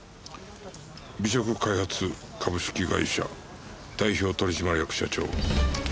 「美食開発株式会社代表取締役社長秋野芳美」